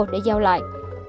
để giao lại